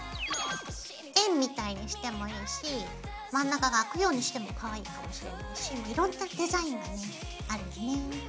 円みたいにしてもいいし真ん中が空くようにしてもかわいいかもしれないしいろんなデザインがねあるね。